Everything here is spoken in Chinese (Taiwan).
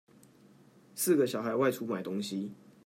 四個小孩外出買東西